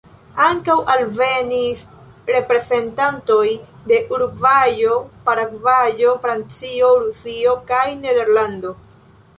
Ankaŭ alvenis reprezentantoj de Urugvajo, Paragvajo, Francio, Rusio kaj Nederlando.